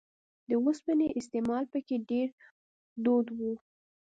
د اوسپنې استعمال په کې ډېر دود و